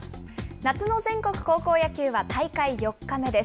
夏の全国高校野球は大会４日目です。